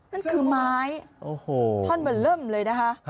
นั่นคือไม้ท่อนเหมือนเริ่มเลยนะฮะ